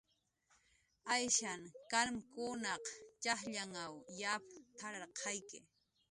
"Ayshan karmkunaq txajllanw yap t""ararqayki"